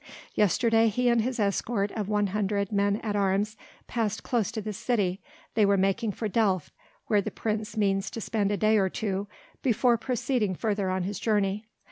Yesterday he and his escort of one hundred men at arms passed close to this city; they were making for Delft where the Prince means to spend a day or two before proceeding further on his journey.